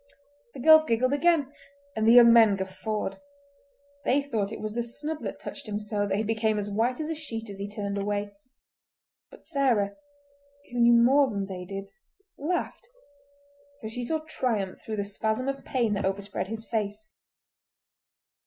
The girls giggled again, and the young men guffawed. They thought it was the snub that touched him so that he became as white as a sheet as he turned away. But Sarah, who knew more than they did, laughed, for she saw triumph through the spasm of pain that overspread his face.